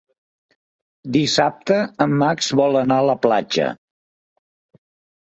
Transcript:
Dissabte en Max vol anar a la platja.